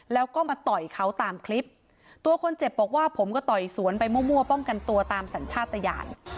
แล้วก็มาต่อยเขาตามคลิปตัวคนเจ็บบอกว่าผมก็ต่อยสวนไปมั่วป้องกันตัวตามสัญชาติยาน